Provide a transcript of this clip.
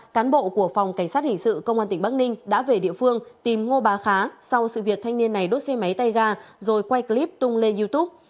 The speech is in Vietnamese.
cán bộ của phòng cảnh sát hình sự công an tỉnh bắc ninh đã về địa phương tìm ngô bà khá sau sự việc thanh niên này đốt xe máy tay ga rồi quay clip tung lên youtube